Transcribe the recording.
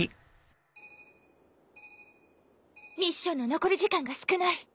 ミッションの残り時間が少ない。